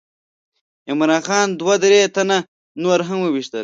عمرا خان دوه درې تنه نور هم وویشتل.